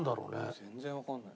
全然わかんない。